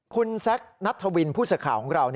คุณแซคนัทธวินผู้สื่อข่าวของเรา